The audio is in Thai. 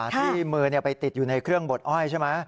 ที่มือไปติดอยู่ในเครื่องบดอ้อยใช่ไหม